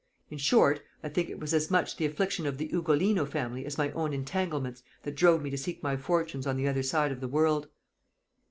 In short, I think it was as much the affliction of the Ugolino family as my own entanglements that drove me to seek my fortunes on the other side of the world."